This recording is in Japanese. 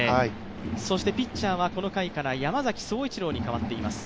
そしてピッチャーはこの回から山崎颯一郎に代わっています。